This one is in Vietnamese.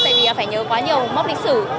tại vì phải nhớ quá nhiều mốc lịch sử